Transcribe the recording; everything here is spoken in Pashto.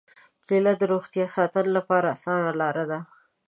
کېله د روغتیا ساتنې لپاره اسانه لاره ده.